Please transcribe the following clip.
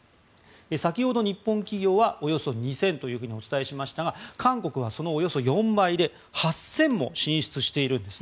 先ほど、日本企業はおよそ２０００とお伝えしましたが韓国はそのおよそ４倍で８０００も進出しているんです。